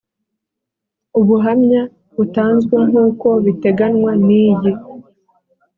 ubuhamya butanzwe nk uko biteganwa n iyi